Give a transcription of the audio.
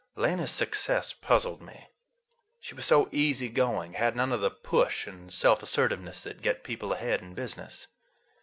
Lena's success puzzled me. She was so easy going; had none of the push and self assertiveness that get people ahead in business.